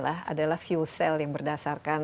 adalah fuel cell yang berdasarkan